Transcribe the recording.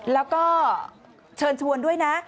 แล้วก็เชิญชวนด้วยนะ